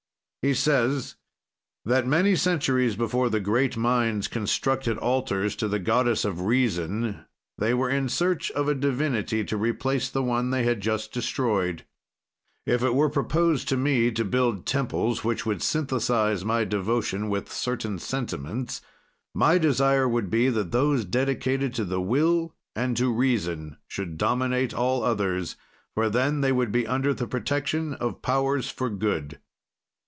He says, "That many centuries before the great minds constructed altars to the goddess of Reason, they were in search of a divinity to replace the one they had just destroyed. "If it were proposed to me to build temples which would synthesize my devotion with certain sentiments, my desire would be that those dedicated to the Will and to Reason should dominate all others, for then they would be under the protection of powers for good."